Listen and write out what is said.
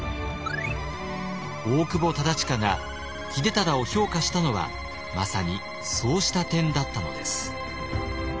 大久保忠隣が秀忠を評価したのはまさにそうした点だったのです。